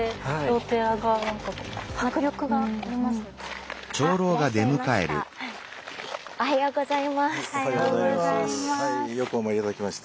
おはようございます。